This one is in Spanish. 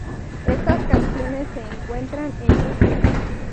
Estas canciones se encuentran en Youtube.